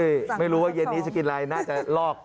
ใช่ไม่รู้ว่าเย็นนี้จะกินอะไรน่าจะลอก